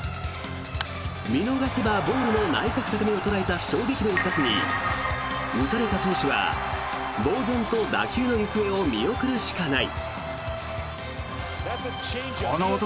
見逃せばボールの内角高めを捉えた衝撃の一発に打たれた投手はぼうぜんと打球の行方を見送るしかない。